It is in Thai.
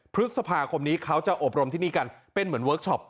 พฤษภาคมนี้เขาจะอบรมที่นี่กันเป็นเหมือนเวิร์คชอป